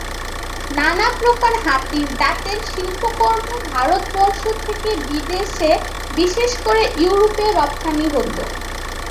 নানা প্রকার হাতির দাঁতের শিল্পকর্ম ভারতবর্ষ থেকে বিদেশে বিশেষ করে ইউরোপে রপ্তানী হতো।